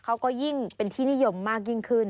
เขาก็ยิ่งเป็นที่นิยมมากยิ่งขึ้น